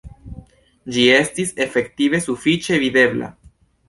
Ĝi estis efektive sufiĉe videbla.